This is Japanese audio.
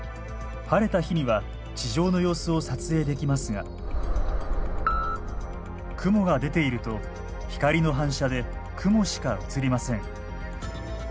晴れた日には地上の様子を撮影できますが雲が出ていると光の反射で雲しか写りません。